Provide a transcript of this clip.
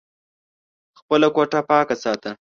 خپله کوټه پاکه ساته !